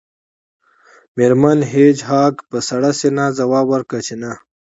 میرمن هیج هاګ په سړه سینه ځواب ورکړ چې نه